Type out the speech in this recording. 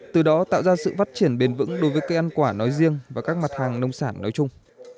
từ đó tạo ra sự phát triển bền vững đối với cây ăn quả nói riêng và các mặt hàng nông sản nói chung